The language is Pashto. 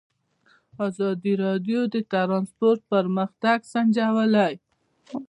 ازادي راډیو د ترانسپورټ پرمختګ سنجولی.